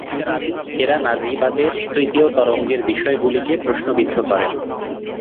এরা নারীবাদের তৃতীয় তরঙ্গের বিষয়গুলিকে প্রশ্নবিদ্ধ করেন।